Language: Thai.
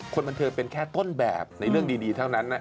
คนบันเทิงเป็นแค่ต้นแบบในเรื่องดีเท่านั้น